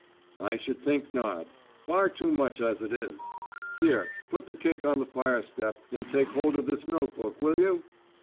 "I should think not. Far too much as it is. Here, put the cake on the fire step, and take hold of this notebook, will you?"